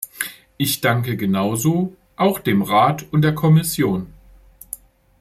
Ich danke genauso auch dem Rat und der Kommission.